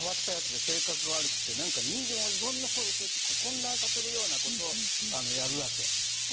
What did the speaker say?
こいつがすごく変わったやつで、性格が悪くて人間をいろいろ混乱させるようなことをやるわけ。